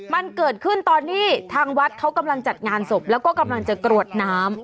มันเกิดขึ้นตอนที่ทางวัดเขากำลังจัดงานศพแล้วก็กำลังจะกรวดน้ำ